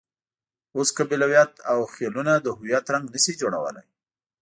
اوس قبیلویت او خېلونه د هویت رنګ نه شي جوړولای.